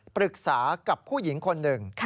ปรึกษากับผู้หญิงคนหนึ่ง